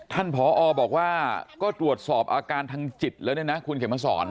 ท่านพอบอกว่าก็ตรวจสอบอาการทางจิตแล้วเนี่ยนะคุณเขมศร